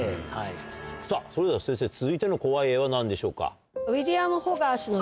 さぁそれでは先生続いての怖い絵は何でしょうか？